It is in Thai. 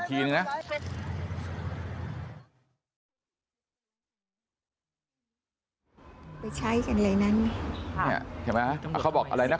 ไปใช้เอ็นไลนั้น